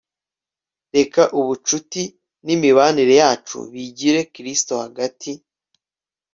reka ubucuti nimibanire yacu bigire kristo hagati